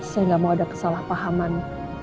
saya tidak mau ada kesalahpahaman